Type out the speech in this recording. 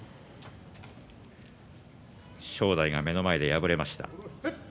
正代が目の前で敗れました。